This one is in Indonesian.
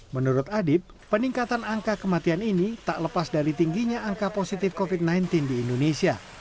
menurut adib peningkatan angka kematian ini tak lepas dari tingginya angka positif covid sembilan belas di indonesia